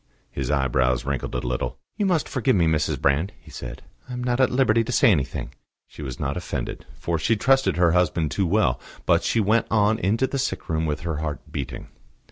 His eyebrows wrinkled a little. "You must forgive me, Mrs. Brand," he said. "I am not at liberty to say anything." She was not offended, for she trusted her husband too well; but she went on into the sick room with her heart beating.